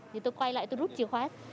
thì tôi quay lại tôi rút chìa khóa